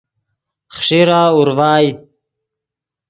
خݰیرہ اورڤائے